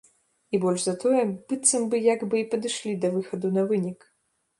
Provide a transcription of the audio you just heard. І больш за тое, быццам бы як бы і падышлі да выхаду на вынік.